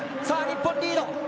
さあ日本、リード。